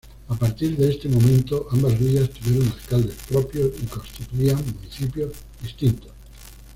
A partir de este momento ambas villas tuvieron alcaldes propios y constituían municipios distintos.